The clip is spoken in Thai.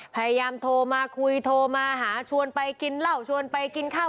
พยายามโทรมาคุยโทรมาหาชวนไปกินเหล้าชวนไปกินข้าว